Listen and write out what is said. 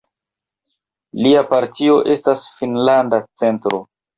Lia partio estas Finnlanda Centro.